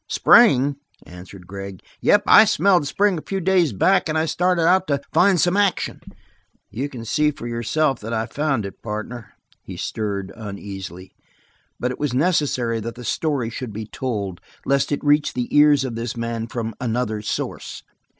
"Spring?" answered Gregg. "Yep, I smelled spring a few days back and I started out to find some action. You can see for yourself that I found it, partner." He stirred, uneasily, but it was necessary that the story should be told lest it reach the ears of this man from another source.